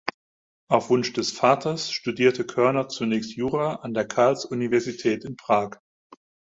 Auf Wunsch des Vaters studierte Körner zunächst Jura an der Karls-Universität in Prag.